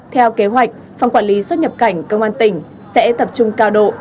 theo kế hoạch phòng quản lý xuất nhập cảnh công an tỉnh sẽ tập trung cao độ